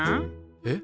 えっ？